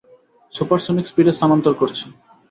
Supersonic স্পিডে স্নানান্তর করছি।